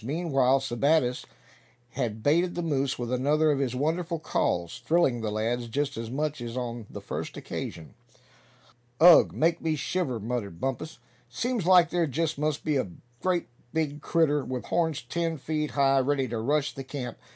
Meanwhile Sebattis had baited the moose with another of his wonderful calls, thrilling the lads just as much as on the first occasion. "Ugh! make me shiver," muttered Bumpus. "Seems like there just must be a great big critter, with horns ten feet high, ready to rush the camp.